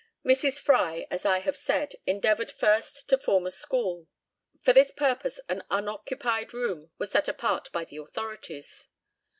Mrs. Fry, as I have said, endeavoured first to form a school. For this purpose an unoccupied room was set apart by the authorities.